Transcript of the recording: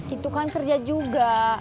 itu kan kerja juga